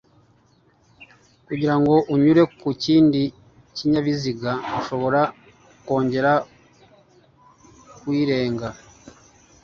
kugirango anyure ku kindi kinyabiziga ashobora kwongera kuyirenga